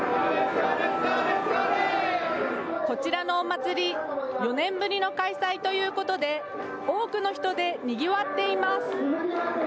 こちらのお祭り４年ぶりの開催ということで多くの人でにぎわっています。